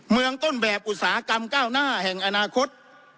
เมืองต้นแบบอุตสาหกรรมก้าวหน้าแห่งอนาคต